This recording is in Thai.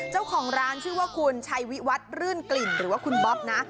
เจ้าของร้านชื่อว่าคุณชัยวิวัฒน์รื่นกลิ่นหรือว่าคุณบ๊อบนะ